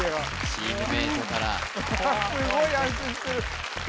チームメートからすごい安心してる！